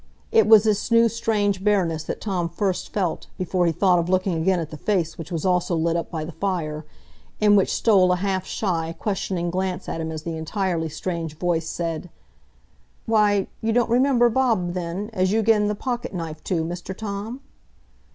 It was this new strange bareness that Tom felt first, before he thought of looking again at the face which was also lit up by the fire, and which stole a half shy, questioning glance at him as the entirely strange voice said: "Why! you don't remember Bob, then, as you gen the pocket knife to, Mr Tom?"